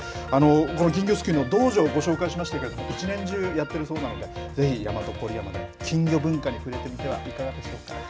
この金魚すくいの道場、ご紹介しましたけれども、一年中やってるそうなので、ぜひ、大和郡山で金魚文化に触れてみてはいかがでしょうか。